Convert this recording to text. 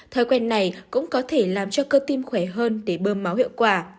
thói quen này cũng có thể làm cho cơ tim khỏe hơn để bơm máu hiệu quả